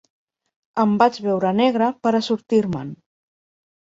Em vaig veure negre per a sortir-me'n.